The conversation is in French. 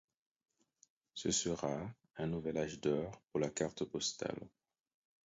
Ce sera un nouvel âge d'or pour la carte postale.